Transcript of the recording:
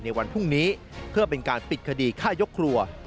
วันพรุ่งนี้เพื่อเป็นการปิดคดีฆ่ายกครัว